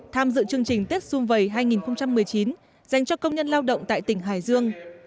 tham dự chương trình tết xung vầy hai nghìn một mươi chín dành cho công nhân lao động tại tỉnh hải dương